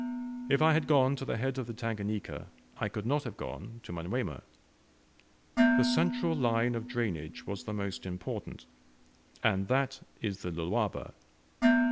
If I had gone to the head of the Tanganika, I could not have gone, to Manyuema. The central line of drainage was the most important, and that is the Lualaba.